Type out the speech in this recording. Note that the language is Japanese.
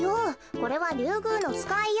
これはリュウグウノツカイよ。